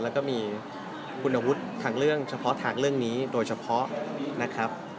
แล้วก็มีคุณวุฒิทางเรื่องเฉพาะทางเรื่องนี้โดยเฉพาะนะครับ